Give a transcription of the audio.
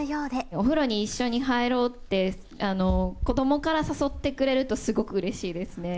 お風呂に一緒に入ろうって、子どもから誘ってくれると、すごくうれしいですね。